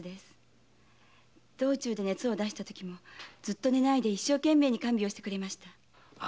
道中で熱を出したときも寝ないで一生懸命看病してくれました。